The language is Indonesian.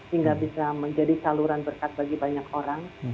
hingga bisa menjadi saluran berkat bagi banyak orang